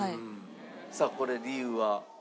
さあこれ理由は？